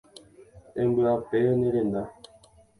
Embyape ne renda.